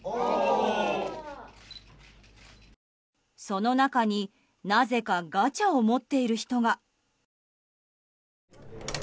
その中になぜかガチャを持っている人が。